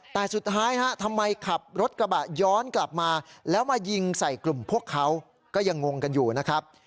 แต่สุดท้ายทำไมขับรถกระบะย้อนกลับมาแล้วมายิงใส่กลุ่มพวกเขาก็ยังงงกันอยู่นะครับ